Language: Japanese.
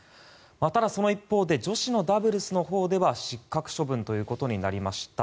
ただ、その一方で女子のダブルスのほうでは失格処分ということになりました。